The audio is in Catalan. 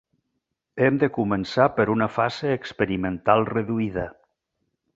Hem de començar per una fase experimental reduïda.